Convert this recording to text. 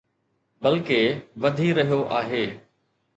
بلڪه، وڌي رهيو آهي